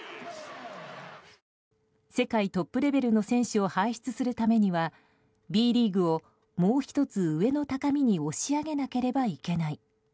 世界トップレベルの選手を輩出するためにはＢリーグをもう１つ上の高みに押し上げなければいけない。